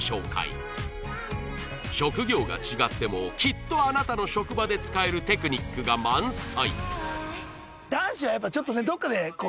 職業が違ってもきっとあなたの職場で使えるテクニックが満載